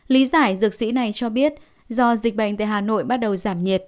lý giải dược sĩ này cho biết do dịch bệnh tại hà nội bắt đầu giảm nhiệt